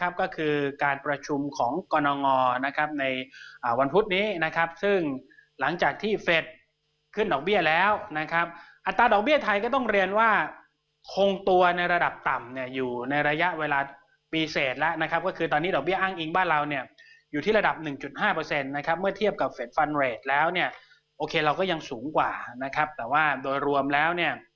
ซึ่งหลังจากที่เฟ็ดขึ้นดอกเบี้ยแล้วนะครับอัตราดอกเบี้ยไทยก็ต้องเรียนว่าคงตัวในระดับต่ำเนี่ยอยู่ในระยะเวลาปีเศษแล้วนะครับก็คือตอนนี้ดอกเบี้ยอ้างอิงบ้านเราเนี่ยอยู่ที่ระดับหนึ่งจุดห้าเปอร์เซ็นต์นะครับเมื่อเทียบกับเฟ็ดฟันเรทแล้วเนี่ยโอเคเราก็ยังสูงกว่านะครับแต่ว่าโดย